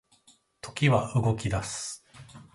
時は動き出す